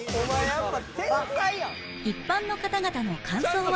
一般の方々の感想は？